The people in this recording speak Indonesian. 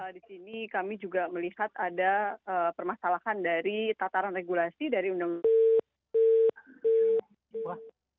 di sini kami juga melihat ada permasalahan dari tataran regulasi dari undang undang narkotika